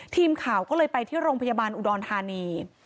ทีมข่าวก็เลยไปที่โรงพยาบาลอุดรธานี